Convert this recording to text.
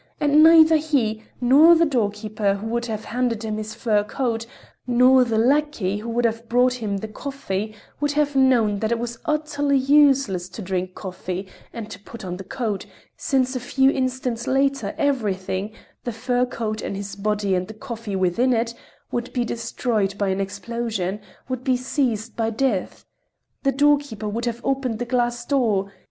And neither he, nor the doorkeeper who would have handed him his fur coat, nor the lackey who would have brought him the coffee, would have known that it was utterly useless to drink coffee, and to put on the coat, since a few instants later, everything—the fur coat and his body and the coffee within it—would be destroyed by an explosion, would be seized by death. The doorkeeper would have opened the glass door....